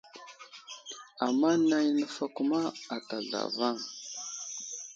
Ama nay nəfakuma ata zlavaŋ.